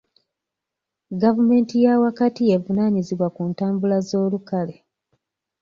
Gavumenti y'awakati y'evunaanyizibwa ku ntambula z'olukale.